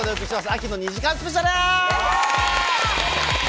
秋の２時間スペシャル。